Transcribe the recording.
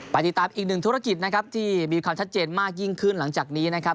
ติดตามอีกหนึ่งธุรกิจนะครับที่มีความชัดเจนมากยิ่งขึ้นหลังจากนี้นะครับ